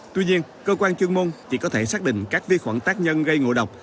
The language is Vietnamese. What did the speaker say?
tuy nhiên cơ quan chuyên môn chỉ có thể xác định các vi khuẩn tác nhân gây ngộ độc